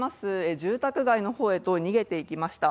住宅街の方へと逃げていきました。